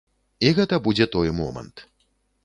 І гэта будзе той момант.